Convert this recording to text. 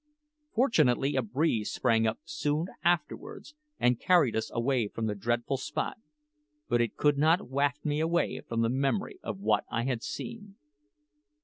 Fortunately a breeze sprang up soon afterwards, and carried us away from the dreadful spot; but it could not waft me away from the memory of what I had seen.